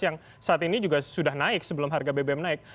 yang saat ini juga sudah naik sebelum harga bbm naik